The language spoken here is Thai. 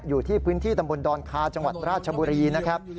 อยู่ที่พื้นที่ตำบลดอนคาจังหวัดราชบุรีนะครับ